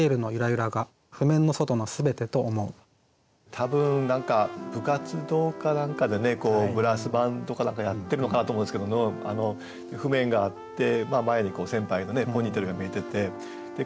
多分何か部活動か何かでねブラスバンドか何かやってるのかなと思うんですけど譜面があって前に先輩のポニーテールが見えてて。